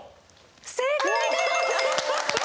正解です！